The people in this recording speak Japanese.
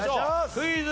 クイズ。